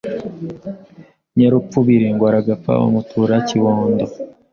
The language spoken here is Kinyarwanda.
Nyarupfubire ngo aragapfa Bamutura Kibondo